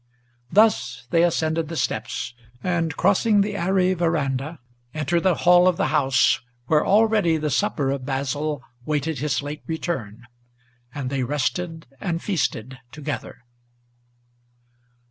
Thus they ascended the steps, and, crossing the airy veranda, Entered the hall of the house, where already the supper of Basil Waited his late return; and they rested and feasted together.